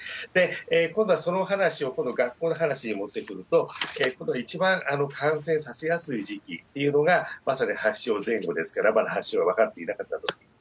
今度はその話を今度学校の話に持ってくると、ここで一番感染させやすい時期というのがまさに発症前後ですから、まだ発症が分かっていなかった時期。